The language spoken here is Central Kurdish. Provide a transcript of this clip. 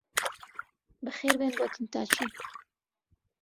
بەخێربێن بۆ کنتاکی!